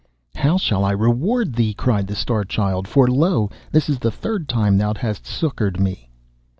'How shall I reward thee?' cried the Star Child, 'for lo! this is the third time thou hast succoured me.